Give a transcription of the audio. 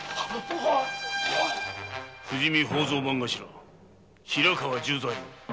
富士見宝蔵番頭・平川十左衛門。